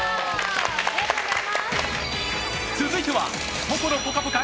続いては懐ぽかぽか！